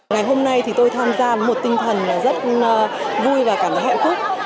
ngày hôm nay thì tôi tham gia một tinh thần rất vui và cảm thấy hẹo khúc